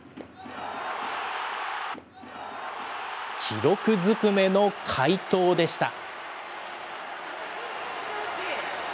記録ずくめの快投でした。